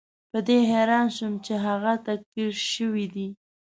په دې حیران شوم چې هغه تکفیر شوی دی.